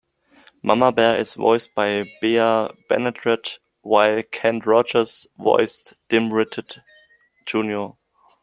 Mama Bear is voiced by Bea Benaderet, while Kent Rogers voiced dim-witted Junior.